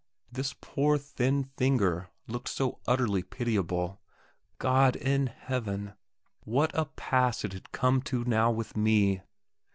This poor thin finger looked so utterly pitiable. God in Heaven! what a pass it had come to now with me!